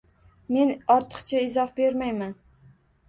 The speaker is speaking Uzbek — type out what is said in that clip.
Men ortiqcha izoh bermayman